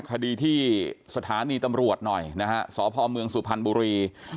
คดีที่สถานีตำรวจหน่อยนะฮะสพเมืองสุพรรณบุรี